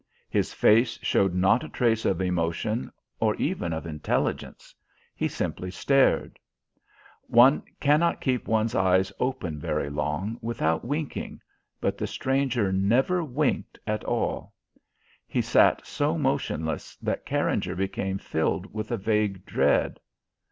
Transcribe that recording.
His face showed not a trace of emotion or even of intelligence. He simply stared. One cannot keep one's eyes open very long without winking, but the stranger never winked at all. He sat so motionless that Carringer became filled with a vague dread.